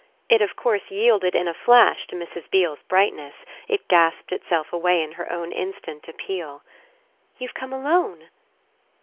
It of course yielded in a flash to Mrs. Beale's brightness, it gasped itself away in her own instant appeal. "You've come alone?"